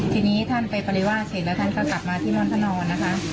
ทีนี้ท่านไปปริวาสเสร็จแล้วท่านก็กลับมาที่ม่อนธนนะคะ